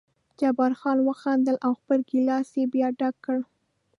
جبار خان وخندل او خپل ګیلاس یې بیا ډک کړ.